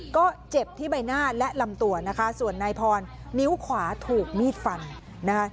ก็เจ็บที่ใบหน้าและลำตัวนะคะส่วนนายพรนิ้วขวาถูกมีดฟันนะคะ